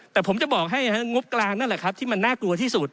แต่ผมจะบอกให้งบกลางนั่นแหละครับที่มันน่ากลัวที่สุด